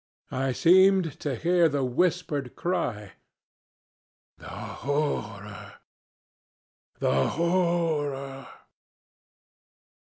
I seemed to hear the whispered cry, 'The horror! The horror!'